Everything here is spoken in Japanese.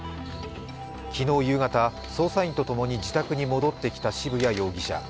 昨日夕方、捜査員とともに自宅に戻ってきた渋谷容疑者。